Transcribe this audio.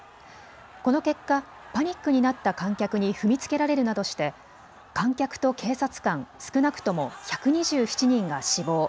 この結果、パニックになった観客に踏みつけられるなどして観客と警察官、少なくとも１２７人が死亡。